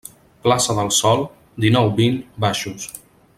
Plaça del Sol dinou - vint, baixos.